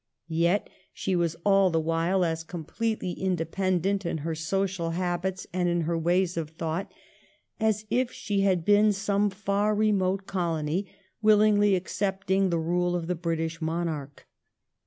Yet she was all the while as completely 316 THE REIGN OF QUEEN ANNE. oh. xxxvi. independent in her social habits and in her ways of thought as if she had been some far remote colony wiUingly accepting the rule of the British monarch.